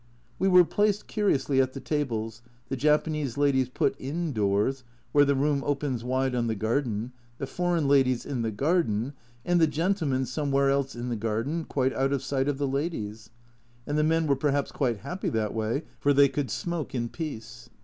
We were placed curiously at the tables, the Japanese ladies put indoors, where the room opens wide on the garden, the foreign ladies in the garden, and the gentlemen somewhere else in the garden, quite out of sight of the ladies I And the men were perhaps quite happy that way, for they could smoke in peace.